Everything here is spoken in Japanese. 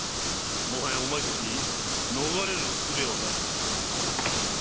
もはやお前たちに逃れる術はない。